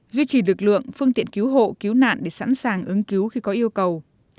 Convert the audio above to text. duy trì lực lượng phương tiện cứu hộ cứu nạn để sẵn sàng ứng cứu khi có yêu cầu